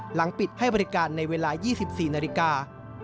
หลังปิดให้บริการในเวลา๒๔นาฬิกา